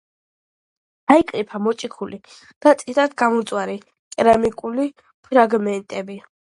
აიკრიფა მოჭიქული და წითლად გამომწვარი კერამიკული ფრაგმენტები.